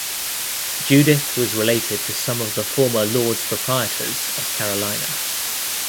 Judith was related to some of the former lords proprietors of Carolina.